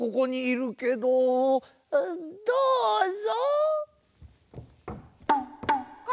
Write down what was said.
どうぞ。